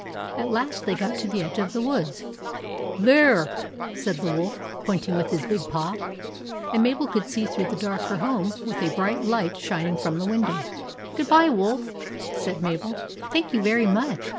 At last they got to the edge of the woods. " There !" said the wolf, pointing with his big paw ; and Mabel could see through the dark her home with a bright light shining from the window. " Good bye, wolf," said Mabel. " Thank you very much.